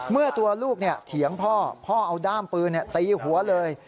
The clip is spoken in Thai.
เมื่อตัวลูกเถียงพ่อพ่อเอาด้ามปืนตีหัวเลย